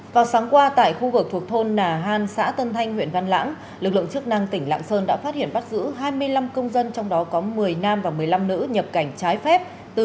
vào sáng qua tại khu vực thuộc thôn nà han xã tân thanh huyện văn lãng lực lượng chức năng tỉnh lạng sơn đã phát hiện bắt giữ hai mươi năm công dân trong đó có một mươi nam và một mươi năm nữ nhập cảnh trái phép